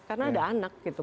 karena ada anak gitu